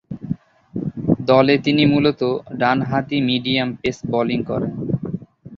দলে তিনি মূলতঃ ডানহাতি মিডিয়াম পেস বোলিং করেন।